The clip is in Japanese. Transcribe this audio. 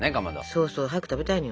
そうそう早く食べたいのよ。